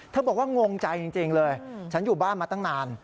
บอกว่างงใจจริงเลยฉันอยู่บ้านมาตั้งนาน